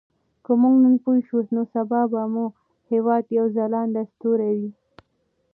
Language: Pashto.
که موږ نن پوه شو نو سبا به مو هېواد یو ځلانده ستوری وي.